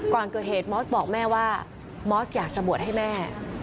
ก่อนเกิดเหตุมอสบอกแม่ว่ามอสอยากจะบวชให้แม่